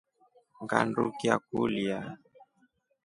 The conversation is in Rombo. Ngandukia kulya.